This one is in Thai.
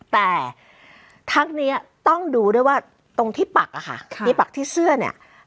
แต่ทั้งนี้ต้องดูด้วยว่าตรงที่ปักอะค่ะมีปักที่เสื้อเนี่ย